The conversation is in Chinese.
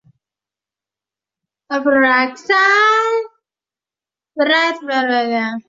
建成时为华东地区最大的图书零售卖场。